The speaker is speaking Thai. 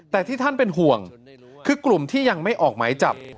แต่ที่ท่านเป็นห่วงคือกลุ่มที่ยังไม่ออกหมายจับ